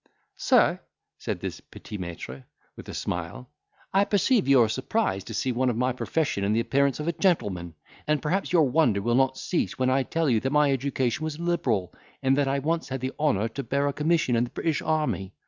"Sir," said this petit maitre, with a smile, "I perceive you are surprised to see one of my profession in the appearance of a gentleman; and perhaps your wonder will not cease, when I tell you, that my education was liberal, and that I once had the honour to bear a commission in the British army.